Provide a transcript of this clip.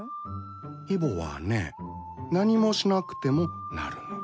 イボはね何もしなくてもなるの。